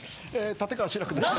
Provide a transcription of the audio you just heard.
立川志らくです。